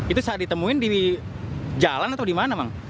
itu saat ditemuin di jalan atau di mana bang